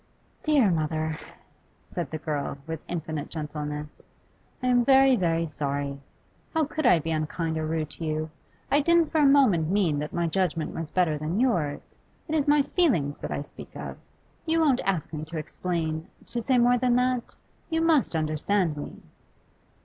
'Dear mother,' said the girl, with infinite gentleness, 'I am very, very sorry. How could I be unkind or rude to you? I didn't for a moment mean that my judgment was better than yours; it is my feelings that I speak of. You won't ask me to explain to say more than that? You must understand me?